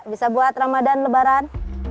bisa buat ramadan lebaran